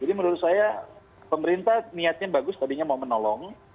jadi menurut saya pemerintah niatnya bagus tadinya mau menolong